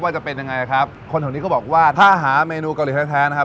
จะเป็นยังไงครับคนแถวนี้ก็บอกว่าถ้าหาเมนูเกาหลีแท้นะครับ